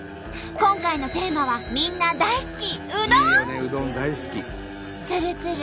今回のテーマはみんな大好きつるつる